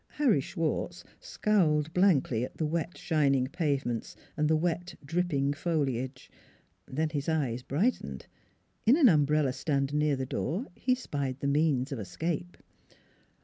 Harry Schwartz scowled blankly at the wet, shining pavements and the wet, dripping foliage. Then his eyes brightened: in. an umbrella stand near the door he spied the means of escape.